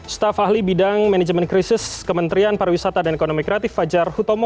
staf ahli bidang manajemen krisis kementerian pariwisata dan ekonomi kreatif fajar hutomo